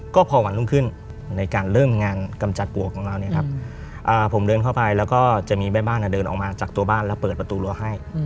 ก็พอวันรุ่งขึ้นในการเริ่มงานกำจัดปวกของเราเนี่ยครับผมเดินเข้าไปแล้วก็จะมีแม่บ้านเดินออกมาจากตัวบ้านแล้วเปิดประตูรั้วให้